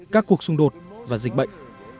các cuộc xung đột và dịch bệnh